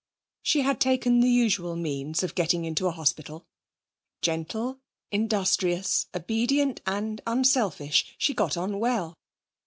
She had taken the usual means of getting into a hospital. Gentle, industrious, obedient and unselfish, she got on well.